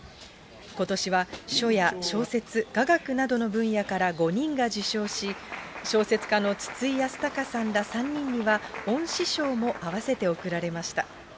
ことしは書や小説、雅楽などの分野から５人が受賞し、小説家の筒井康隆さんら３人は、恩賜賞も合わせて贈られました。